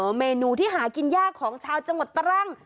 เมนูที่หากินยากของชาวจังหวัดตรัง